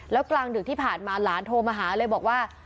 แล้วกลางดึกที่ผ่านมาหลานโทรมาหาเลยบอกว่า